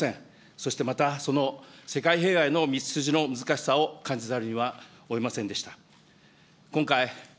そしてまた、その世界平和への道筋の難しさを感じざるをえませんでした。